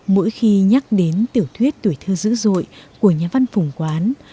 mỗi khi nhắc đến tiểu thuyết tuổi thơ dữ dội của nhà văn phùng quán